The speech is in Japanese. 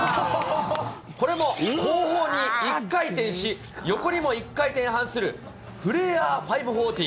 これも後方に１回転し、横にも１回転半する、フレア５４０。